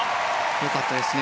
良かったですね。